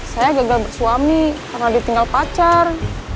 saya gagal bersuami karena ditinggal pacar